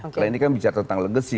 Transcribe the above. karena ini kan bicara tentang legasi